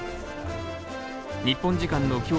日本時間の今日